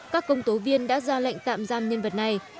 các công tố viên đã ra lệnh tạm giam nhân vật này